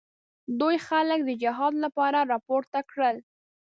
دوی خلک د جهاد لپاره راپورته کړل.